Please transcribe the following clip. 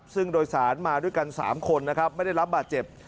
ซึ่งโดยสารมาด้วยกัน๓คนนะครับไม่ได้รับบาดเจ็บ